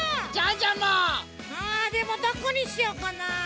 あでもどこにしようかなあ。